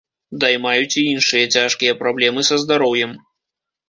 Даймаюць і іншыя цяжкія праблемы са здароўем.